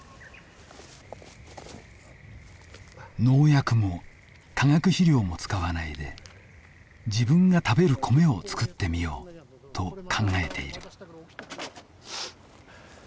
農薬も化学肥料も使わないで自分が食べるコメを作ってみようと考えている。